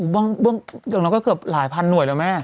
บ้างดังนั้นก็เกือบหลายพันหน่วยแล้วแม่